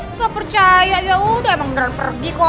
ih gak percaya yaudah emang beneran pergi kok